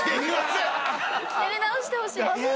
やり直してほしい。